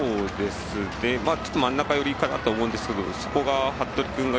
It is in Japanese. ちょっと真ん中寄りかなと思うんですがそこが服部君が